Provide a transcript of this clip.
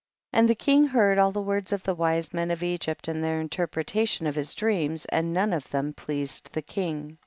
24. And the king heard all the words of the wise men of Egypt and their interpretation of his dreams, and none of them pleased the king.